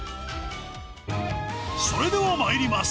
それでは参ります。